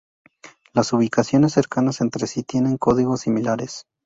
Las ubicaciones cercanas entre sí tienen códigos similares.